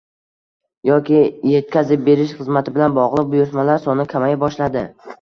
Yoki etkazib berish xizmati bilan bog'liq buyurtmalar soni kamaya boshladi